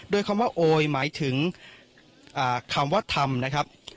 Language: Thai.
โดยคำว่าโอยหมายถึงคำว่าธรรมนะครับ